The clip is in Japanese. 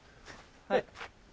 はい。